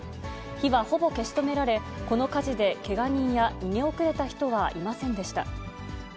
火はほぼ消し止められ、この火事でけが人や逃げ遅れた人はいませんでした。